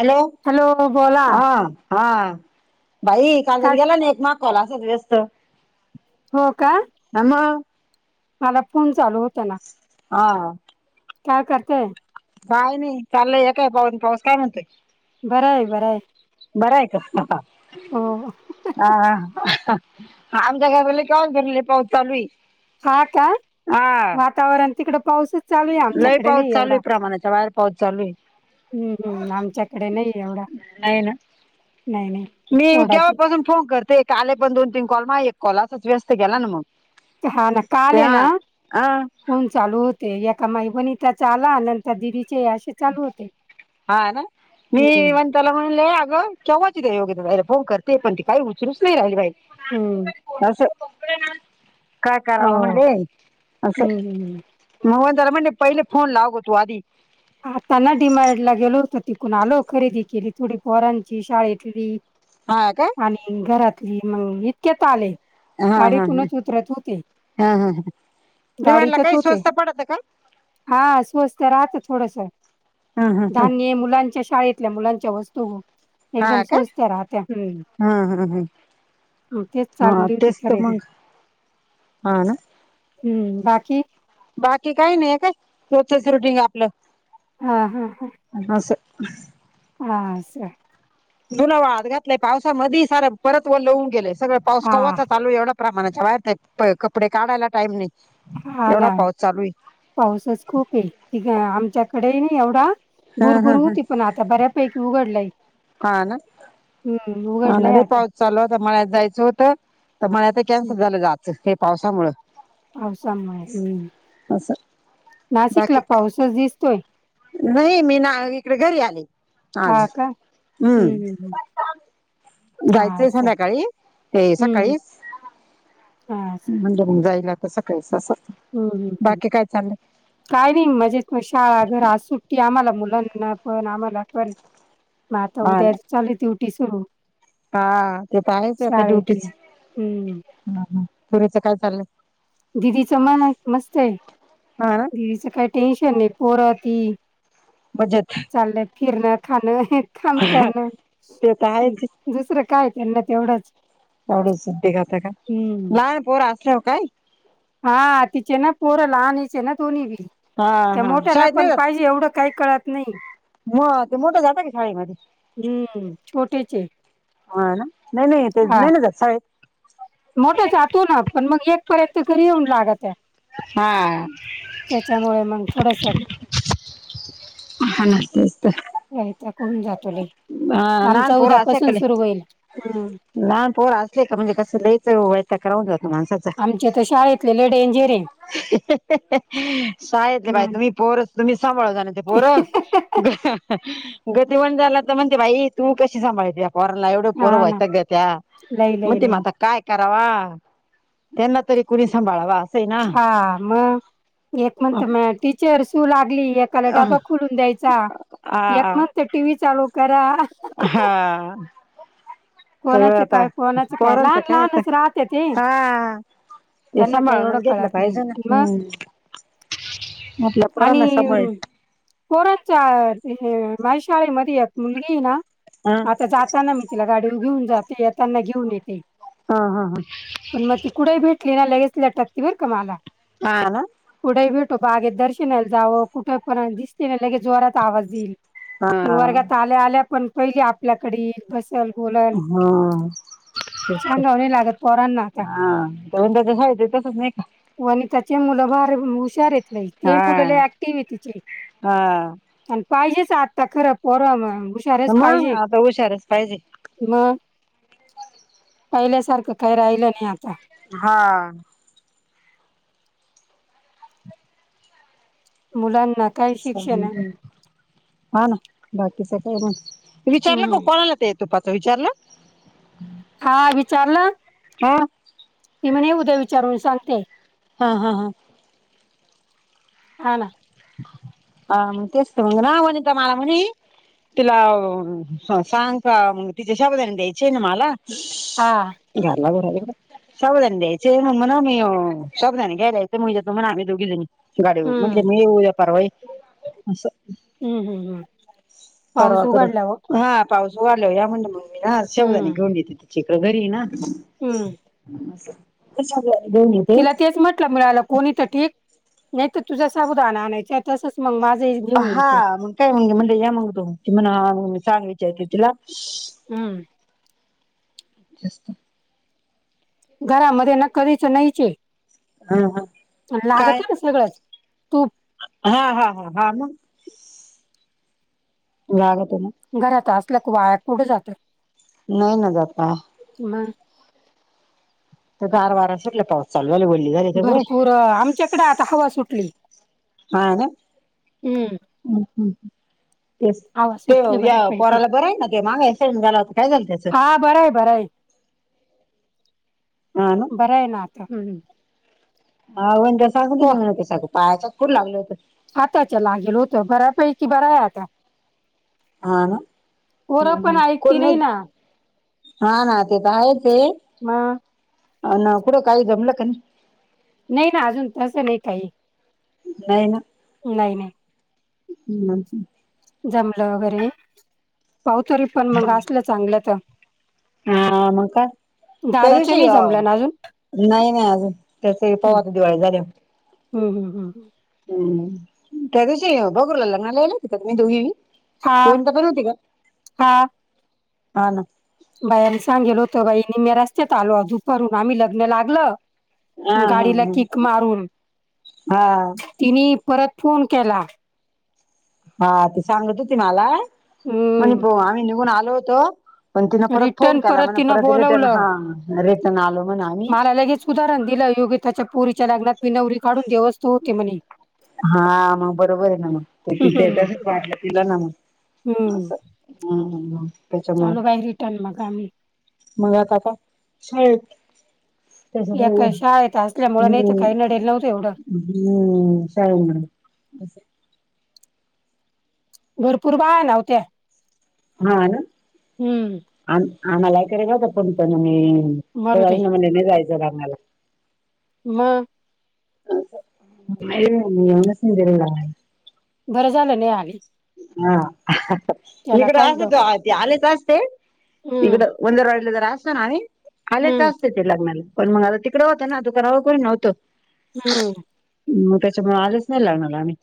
Hello, हा. हा बाई [unintelligible] काय गेला ना एक कॉल असाच व्यस्त. हो का? ह मग मला फोन चालू होता ना. हा. काय करत्याय. काय नाही चाललंय हे काय पाऊस काय म्हणतोय. बरं आहे. बरं आहे. बरं आहे का? हो हा, हा. आमच्या गावाला काल धरून लई पाऊस चालू आहे. हा का? हा वातावरण तिकड पाऊस लय पाऊस चालूये. प्रमाणाच्या बाहेर पाऊस चालूये. हम्म, हम्म आमच्याकडे नाहीये एवढा. नाही ना नाही नाही मी थोडाच केव्हा आहे. पासून फोन करते. काल पण दोन तीन कॉल माझा कॉलाच असचं व्यस्त गेला ना मग. हा ना ते काल आहे हा ना हा फोन चालू हो ते एका माझ्या वनिताचा आला नंतर दिदी हा ना हम्म मी वनिताला म्हणले आग केव्हा ची गेलीय योगिता बाहेर फोन करते पण ती काही उचलूच नाही राहिली बाई हम्म असं काय हो करावं म्हणले असं. हम्म हम्म [unintelligible] त्याला म्हणले पहिला फोन लाव ग तु आधी. आता ना डीमार्ट ला गेलो होत तिकडून आलो खरेदी केली थोडी पोरांची शाळेतली हा काय आणि घरातली मग इतक्यात आले. ह, ह, गाडीतूनच उतरत होते. ह, ह. डी मार्ट गाडीतच काही होते. स्वस्त पडत का? हा स्वस्त राहत. थोडस, हा हा हा. धान्य मुलांच्या शाळेतल्या मुलांच्या वस्तू. एकदम हा का स्वस्त राहत्या. हम्म. हा हा हा. ह तेच हा चालली होती तेच तर खरेदी. मग हा ना? हम्म, बाकी? बाकी काही नाही काय रोजचच रुटिंग आपलं. हा, हा, हा. [unintelligible] हा असं. धुणं वाळत घातलाय पावसा मधी सार परत ओल होऊन गेलंय. सगळं पाऊस हा कवाचा चालू एवढा प्रमाणाच्या बाहेर कपडे काढायला टाईम नाही हा ना एवढा पाऊस चालू आहे पाऊसच खूप आहे. आमच्याकडे नाही एवढा हा भुरभुर हा हा होती पण आता बऱ्यापैकी उघडलाय हा ना नाही रे आता पाऊस चालू होता मळ्यात जायचं होत तर मळ्यातल हम्म, कॅन्सल झालं जायच पावसामुळ पावसामुळे हम्म असं बाकी नाशिकला पाऊसच दिसतोय नाही मी ना इकडे घरी आले हा आज का हं, हम्म हं, हं. जायचंय असं आहे. संध्याकाळी ते हं, सकाळीच हं. जाईल आ सकाळीच सासर ह् काय नाही म्हणजेग शाळा घर सुट्टी आम्हाला मुला मुलांना पण आम्हाला पण मग आता हा उद्या ना चालूदीवटी सुरू हा ते तर आहेच आता शाळेतली. ड्युटीच हं. पुरेच काय चाललंय दिदीच मन मस्त आहे हा ना दीदीच काय टेन्शन नाही पुरती बजत फिरणं खाणं काम करणं ते तर आहेच दुसरं काय त्यांना तेवढंच ढज देघातखाकाय ना पोर असले काय हा तिचे ना पोरल आणिचे ना दोन्ही बी हा त्या हा मोठ्याला शाळेत नाही पण जात पाहिजे एवढं काही कळत नाही मग ते मोठं जातं का शाळेमध्ये हम्म छोटेचे हा ना नाही नाही ते नाही नाही जा साहे मोठ जातो ना पण मग एक पर्यंत घरी येऊन लागत आहे हा त्याच्यामुळे मग थोडस ह हा नस्त असस्त करून जातो ल ह नान पोरा अस काले हम्म ना पोरा असले का म्हणजे कस ल ओवायटो करायतो आमच्या तर शाळेतले ले डेंजिरे सायेतले बाई तुम्ही पोर तुम्ही सांभाळ जाण ते पोर गतीिमान झाला तर म्हणते भाई तू कशी सांभाळते कोरोला एवढ हा ना पोर्वत घ त्या्या लई म लई ते लई म आता काय काय? वा त्यांना तरी कुणी सांभाळावा. आहे ना. हा मग एक मंत म टीचर शू लाग लागली एकाला डबा खुलून द्यायचा यात आ मगत टी व्ही चालू करा का एव कोणाचं आता काय कोणाचं लहान पोरांचं काय आता लहानच राहते ते हा हे त्यांना काही एवढं सांभाळूनच घेतलं कळत नाही पाहिजे ना मग हम्म आपल्या आणि पोरांना सांभाळ पोरांचा ते बाई शाळेमध्ये एक मुलगी आहे ना ह आता जाताना मी तिला गाडीवर घेऊन जाते येताना घेऊन येते हा हा हा पण मग ती कुठेही भेटली लगेच ट बर का मला हा कुठेही भेटो बागेेत दर्शनाला जावं कुठे पण दिसते ना लगे जोरात आवाज येईल हा हा वर्गात आल्या आल्या पण पहिले आपल्याकडे येईल बस हा सांगावं नाही लागत पोरांना हाण त्याच्या साहित तसच नाही का हो आणि त्याचे मुलं भार हुशार येत. नाही ते हा मुलंला ऍक्टिव आहे तिचे हा पाहिजेच आत्ता खरं पोरमग हुशारच मग पाहिजे आता हुशारच पाहिजे मग पहिल्यासारखं काही राहिलं नाही आता हा. मुलां हा ना बाकी स विचारलं ग हम्म कोणाला ते य तुपाच विचारलं. हा विचारलं. हा. ती म्हण उद्या विचारून सांगते. हा हा हा. हा ना. अ मग तेच मंग ना वनिता मला म्हणे. तिला सांग का तिचे शाबुदाणे द्यायचे आहे ना मला हा झाला बर बाई शाबुदाणे द्यायचे मग म्हण मी शाबुदाणे घ्यायला येते म्हजे येतो आम्ही दोघी जणी गाडीवर हम्म म्हणले मी उद्या परवा असं. हम्म हम्म हम्म. पाऊस परवा कड उघडल्यावर हा पाऊस तू आल्यावं या म्हण मग मी ना शेवगा तेन हम्म घेऊन देते तिकडं घरी ना. हम्म कस झालं. तिला तेच म्हंटलं मिळालं कोणी तर ठीक नाही तर तुझ्या साबुदाणा आणायच तसच मग माझ. हा मग काय म्हणल या मग तो ती म्हण सांग विचारते तिला हम्म. जास्त घरामध्ये न कधीच नाहीचे हा हा लागत काय ना सगळंच. [unintelligible] हा हा हा हा मग लागत. घरात असल्या का वाया कुठं जातं. नाही ना जाता हम. तर गार वारा सुटल पाऊस चालू झाला वल्ली झाली सगळे भरपूर आमच्याकड आता हवा सुटली. हा ना हम्म हं हं. तेस हवा ते सुटली या बऱ्यापैकी पोराला बर आहे ना ते माग ऍक्सीडेन्ट झाला होता काय झालं त्याच हा बरं आहे बरं आहे. हा बरं आहे ना आता हम्म. हा वनिता सांगत हो होती तस पायाच कूट लागल होत. हाताच्या लागेल होत बऱ्यापैकी बरा आहे आता हा ना पोरं पण हा ऐकती कोणी नाही ना हा ना ते तर आहेचे [unintelligible] अन कुड काही जमला का नाई. नाही ना अजून तसं नाही काही नाही ना. नाही नाही. हं हं. जमलं वगैरे पाहू तरी पण मग असलं चांगलं तर हा म काय? त्या दादाचं दिवशी, नाही जमलं ना अजून नाही नाही अजून त्याचे पाहू आता दिवाळी झाल्याव हम्. हम्. हम. हम, त्या दिशी भगुरला लग्नाला यायला होत्या का दोघीबी हा. हा. हा, ना. बायांनी सांगेल होत बाई, निम्या रस्त्यात आलो दुपारून आम्ही लग्न हा लागलं हा गाडीला हा किक मारून हा तिनी परत फोन केला. हा, ते सांगत होती मला म्हण हम्म आम्ही निघून आलो होतो. पण तिन परत फोन रिटर्न केला, म्हण तिनं परत रिटर्न बोलवलं हा रिटन आलो म्हणा आम्ही योगीताच्या पोरीच्या लग्नात मी नवरी काढून देवस्तो होते म्हणे. हा मग बरोबर आहे ना मग हम्म हम्म [inaudible] [unintelligible] [inaudible] त्याच्या मुंळ, आलो बाई रिटर्न मग आम्ही. मग आता काय [unintelligible] [inaudible] एका शाळेत असल्यामुळे नाही तर हम्म, काही नडेल नव्हतं एवढं सायेमा [inaudible] भरपूर बाया नव्हत्या हा, ना, हम्म आ आम्हालाय करेल फण पी [inaudible] तू मरू दे जाईन ना मी नाही जायचं लग्नाला म. येऊनच नाही [unintelligible] बरं झालं नाही आलो. हा, इकड काय अस डोक ते ते आलेच असते हम्म इकडं वंदर वाडले ज अस ना आणि आले हम्म जास्त येत लग्नाला पण मग आता तिकडे होतं ना, दुकानावर कोणी नव्हतं हम्. मग त्याच्यामुळे आलंच नाही लग्नाला आम्ही.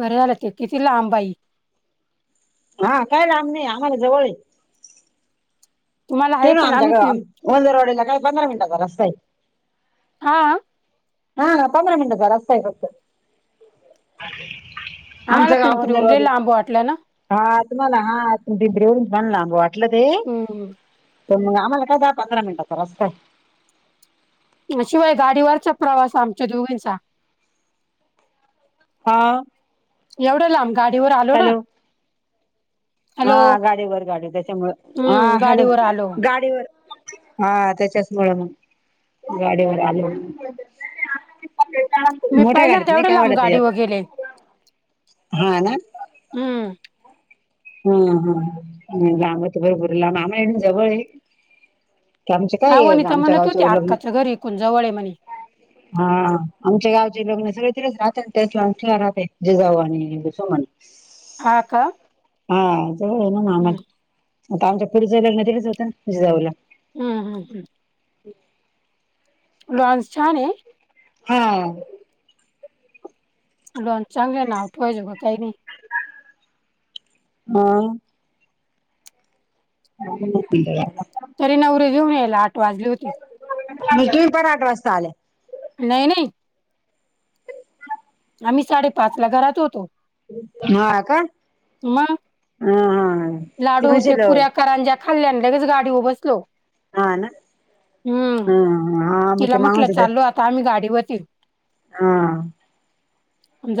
बरं झालं, ते किती लांब बाई हा, काय लाम नाही आम्हाला जवळ हे. तुम्हाला ते आहे ना पण आम्ही आमच्या आ पिं वंद रोडला काय पंधरा मिनिटाचा रस्ता आहे. हा. हा, पधरा मिनिटाचा रस्ता फक्त आमच आम्हाला गाव पिंपरीहून लय वजरवाडी लांब वाटलं ना हा तुम्हाला हा पिंपरी हून बनला. हम्. तर मग आम्हाला काय दहा पंधरा मिनटाचा रस्ता शिवाय गाडीवरचा प्रवास आमच्या दोघींचा हा. एवढं लांब गाडीवर आलो ना हॅलो हॅलो हा, गाडीवर गाडी त्याच्यामुळे हा हम्म हॅलो गाडीवर आलो गाडीवर हा, त्याच्याच मुळे मग गाडीवर आलो. मी मोठ्या गाडत पहिल्यांदा नाही एवढं काय लांब वाटत गाडीवर गेले जास्त हा, ना. हम्म हा, हा लांबत भरपूर लांब, आम्हाला इथून जवळ आहे. कामाच काय हा हे, वनिता आमच्या म्हणत होती गावचे लग्न अक्काच्या घरी इकून जवळ आहे म्हणे हा, आमच्या गावचे लग्न सगळे तिच राह त्याच तला राहते जिजाऊ आणि सुमन हा, का. हा, जवळ आहे ना, हम्म आम्हाला आता आमच्या पुढच लग्न होतं ना जाऊला हम्म. हम्म. हम्म. [inaudible] लॉन्झछान आहे. हा. लॉन्स चांगले नाव ठेवायचा सारखं काही नाही. हअ. [unintelligible] घिऊन यायला आठ वाजले होते. मी तुम्ही पण आठ वाजता आले. नाही नाही. आम्ही साडेपाच ला घरात होतो. हा का मग हा हा. लाडू ते पुऱ्या करां ज्या खाल्ल्याने लगेच गाडीवर बसलो. हा ना हम्म हा हा मग तिला ते म्हटलं मागवत होते चाललू आता आम्ही गाडीवरती हा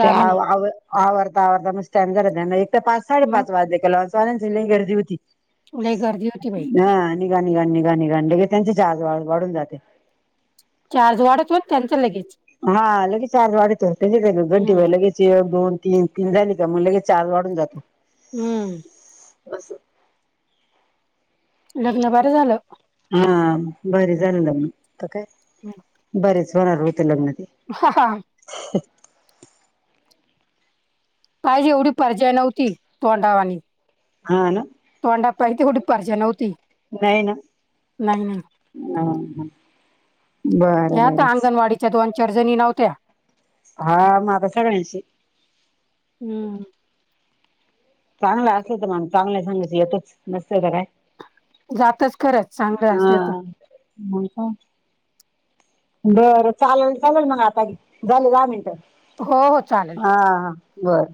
ते म्हणे आववरता आववरता मी स्टँ द एक तर पाच मग साडेपाच वाजे कलावचन झा गर्दी होती. लई गर्दी होती बाई हा निघा निघाान निघा निघाण लगे त्यांचे जा. वाढून जाते. चारज वाढतो. हा लगेच आर्ज वाढतो त्या घंटी हम्म व लगेच दोन तीन तीन झाली का म्हणलंगे चार वाढून जातो. हम्म बसं. लग्न बरं झालं. हा बर झाले लग्न काय बरेच होणार होते लग्नात हा ह. काहीज एवढी परजय नव्हती तोंडावानी हा ना. तंडा पाई ते डी परजन होती नाही ना नाही नाही. हम्. ह्या तर अंगणवाडीच्या दोन चडजणी नव्हत्या. हा मग आता सगळ्यांशी हम्म. चांगलं असल तर मण चांगलं सांगायच येतच नसत तर काय? जातच खरंच चांगलं असलं तर. हा म का? बरं चालेल चालेल मग आता झाले दहा मिनटं हो हो चालेल. बरं.